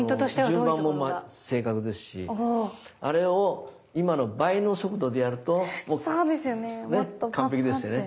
順番も正確ですしあれを今の倍の速度でやると完璧ですよね。